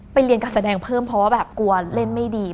เรียนการแสดงเพิ่มเพราะว่าแบบกลัวเล่นไม่ดี